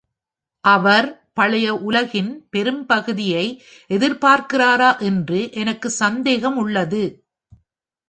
அவர் பழைய உலகின் பெரும்பகுதியை எதிர்பார்க்கிறாரா என்று எனக்கு சந்தேகம் உள்ளது.